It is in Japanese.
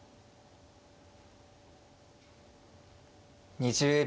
２０秒。